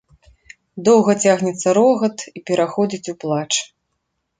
Доўга цягнецца рогат і пераходзіць у плач.